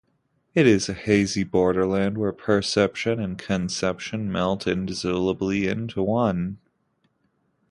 It is a hazy borderland where perception and conception melt indissolubly into one.